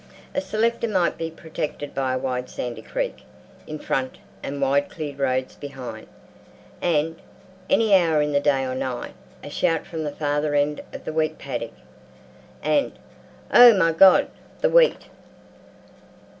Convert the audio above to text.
A selector might be protected by a wide sandy creek in front and wide cleared roads behind, and, any hour in the day or night, a shout from the farther end of the wheat paddock, and—"Oh, my God! the wheat!"